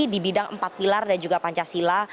di bidang empat pilar dan juga pancasila